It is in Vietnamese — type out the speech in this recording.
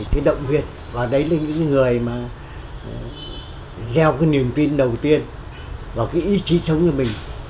cái động viên và đấy là những cái người mà gieo cái niềm tin đầu tiên vào cái ý chí sống cho mình